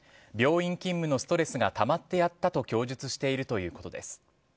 病院勤務のストレスがたまってやったと供述しているということです。